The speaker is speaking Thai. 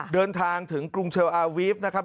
เดินทางถึงกรุงเชลอาวีฟนะครับ